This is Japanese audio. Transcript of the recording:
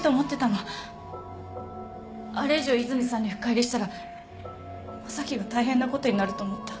あれ以上和泉さんに深入りしたら正樹が大変なことになると思った